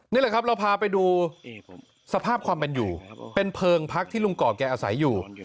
นี่แหละครับเราพาไปดูสภาพความเป็นอยู่เป็นเพลิงพักที่ลุงก่อแกอาศัยอยู่